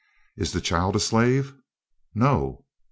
"Is the child a slave?" "No."